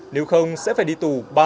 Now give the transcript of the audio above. nếu không sẽ phải đi tù ba năm